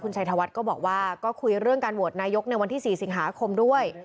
ชัยธวัฒน์ก็บอกว่าก็คุยเรื่องการโหวตนายกในวันที่๔สิงหาคมด้วย